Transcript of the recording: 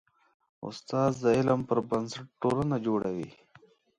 استاد د علم پر بنسټ ټولنه جوړوي.